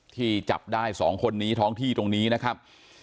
ที่จับได้๒คนนี้ท้องที่ตรงนี้นะครับ